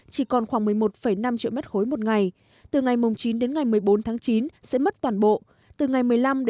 chỉ còn khoảng một mươi một năm triệu m ba một ngày từ ngày chín một mươi bốn chín sẽ mất toàn bộ từ ngày một mươi năm một mươi chín chín